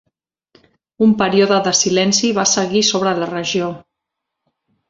Un període de silenci va seguir sobre la regió.